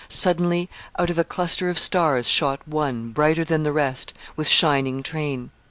Suddenly, out of a cluster of stars shot one, brighter than the rest, with shining train.